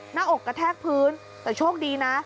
หน้าอกกระแทกพื้นแต่โชคดีนะ